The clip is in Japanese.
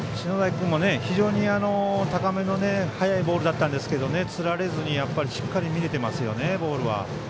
君も非常に高めの速いボールだったんですがつられずにしっかり見れてますよね、ボール。